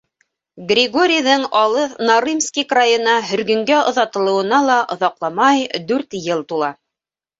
Григорийҙың алыҫ Нарымский крайына һөргөнгә оҙатылыуына ла оҙаҡламай дүрт йыл тула.